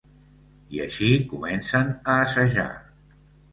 I així comencen a assajar.